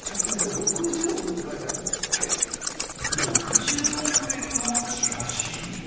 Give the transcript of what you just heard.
６０億円のチラシ？